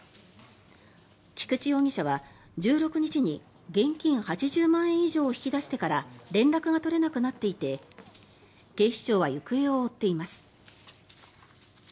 菊池容疑者は１６日に現金８０万円以上を引き出してから連絡が取れなくなっていて警視庁は行方を追っています。